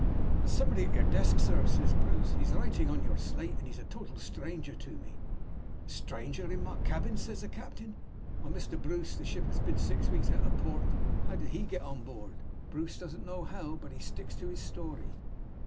'There's somebody at your desk, sir,' says Bruce. 'He's writing on your slate; and he's a total stranger to me.' 'A stranger in my cabin?' says the captain. 'Why, Mr. Bruce, the ship has been six weeks out of port. How did he get on board?' Bruce doesn't know how, but he sticks to his story.